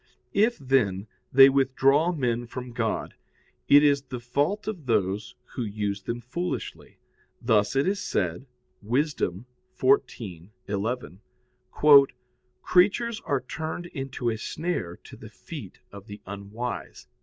If, then, they withdraw men from God, it is the fault of those who use them foolishly. Thus it is said (Wis. 14:11): "Creatures are turned into a snare to the feet of the unwise."